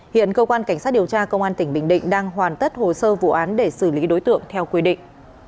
hiện cơ quan cảnh sát điều tra công an tỉnh bình định đang hoàn tất hồ sơ vụ án để xử lý đối tượng theo quy định